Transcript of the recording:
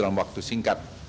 dalam waktu singkat